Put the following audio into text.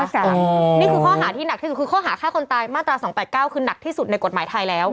นี่คือข้อหาที่หนักที่สุดคือข้อหาฆ่าคนตายมาตรา๒๘๙คือหนักที่สุดในกฎหมายไทยแล้ว